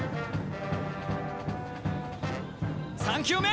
３球目！